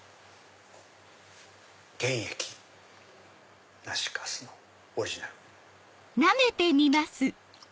原液！梨粕のオリジナル。